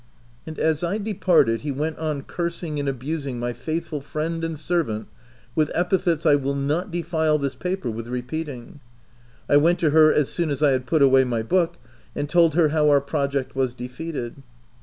And as I departed, he went on cursing and abusing my faithful friend and servant with epithets I will not defile this paper with re peating. I went to her as soon as I had put away my book, and told her how our project was defeated.